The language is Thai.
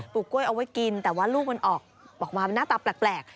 ลูกกล้วยเอาไว้กินแต่ว่าลูกมันออกมาเป็นหน้าตาแปลก